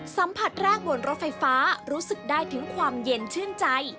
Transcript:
สัมผัสแรกบนรถไฟฟ้ารู้สึกได้ถึงความเย็นชื่นใจ